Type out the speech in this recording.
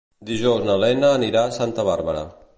Dijous na Lena anirà a Santa Bàrbara.